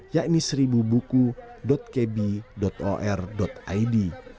yakni seribu buku kb or id